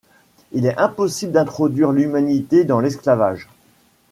Il est impossible d'introduire l'humanité dans l'esclavage.